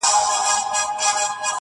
ياره د مُلا په قباله دې شمه